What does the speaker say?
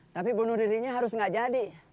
tapi bunuh dirinya harus nggak jadi